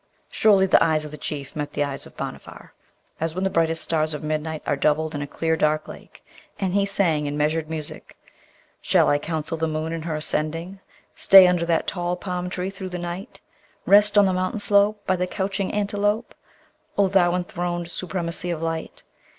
Surely the eyes of the Chief met the eyes of Bhanavar as when the brightest stars of midnight are doubled in a clear dark lake, and he sang in measured music: 'Shall I counsel the moon in her ascending? Stay under that tall palm tree through the night; Rest on the mountain slope By the couching antelope, O thou enthroned supremacy of light!